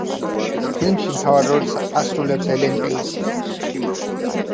ფილმში მთავარ როლს ასრულებს ელენ პეიჯი.